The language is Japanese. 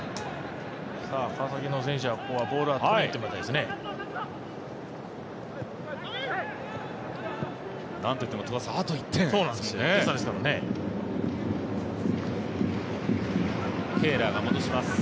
川崎の選手はここはボールをとりにいってほしいですね。